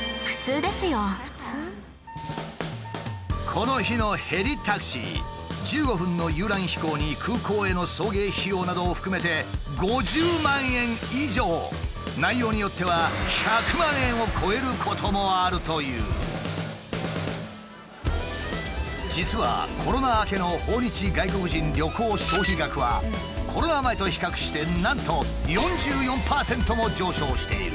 この日のヘリタクシー１５分の遊覧飛行に空港への送迎費用などを含めて内容によっては実はコロナ明けの訪日外国人旅行消費額はコロナ前と比較してなんと４４％も上昇している。